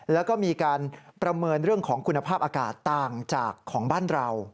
แล้วก็มีการประเมินเรื่องของคุณภาพอากาศต่างจากของบ้านเรา